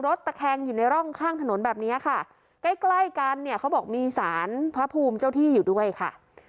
ตะแคงอยู่ในร่องข้างถนนแบบเนี้ยค่ะใกล้ใกล้กันเนี่ยเขาบอกมีสารพระภูมิเจ้าที่อยู่ด้วยค่ะ